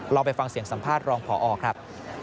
ไปฟังเสียงสัมภาษณ์รองพอครับ